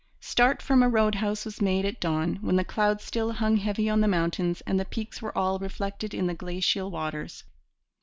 Start from a road house was made at dawn, when the clouds still hung heavy on the mountains and the peaks were all reflected in the glacial waters.